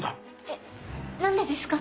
えっ何でですか？